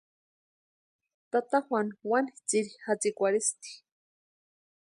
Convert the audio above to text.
Tata Juanu wani tsiri jatsikwarhisti.